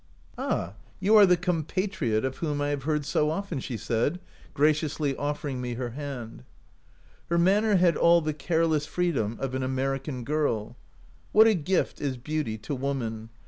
'"Ah! you are the compatriot of whom OUT OF BOHEMIA I have heard so often/ she said, graciously offering me her hand. Her manner had all the careless freedom of an American girl. What a gift is beauty to woman!